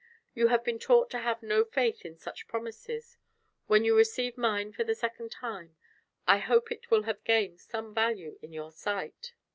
You have been taught to have no faith in such promises; when you receive mine for the second time, I hope it will have gained some value in your sight."